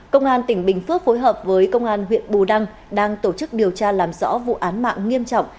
công an tỉnh bình phước phối hợp với công an huyện bù đăng đang tổ chức điều tra làm rõ vụ án mạng nghiêm trọng